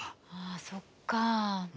ああそっかあ。